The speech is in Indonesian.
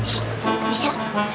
shh gak bisa